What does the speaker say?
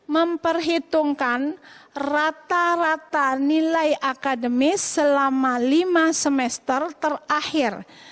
memperhitungkan rata rata nilai akademis selama lima semester terakhir